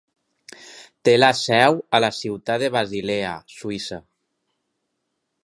Té la seu a la ciutat de Basilea, Suïssa.